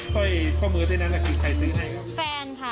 ข้อยข้อมือเท่านั้นคือใครซื้อให้ครับ